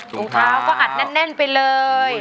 ถุงเท้าก็อัดแน่นไปเลย